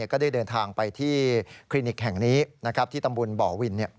ก็ได้เดินทางไปที่คลินิกแห่งนี้ที่ตำบลบ่อวิน